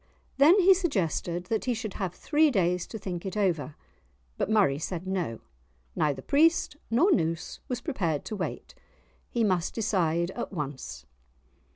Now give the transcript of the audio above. Then he suggested that he should have three days to think it over, but Murray said no, neither priest nor noose was prepared to wait, he must decide at once.